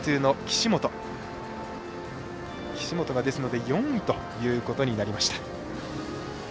岸本が４位ということになりました。